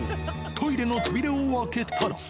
トイレの扉を開けたら。